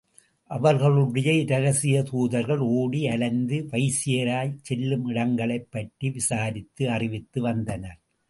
அவர்களுடைய இரகசிய தூதர்கள் ஓடி அலைந்து வைசிராய் செல்லுமிடங்களைப் பற்றி விசாரித்து அறிவித்து வந்தனர்.